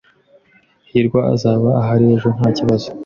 hirwa azaba ahari ejo nta kibazo.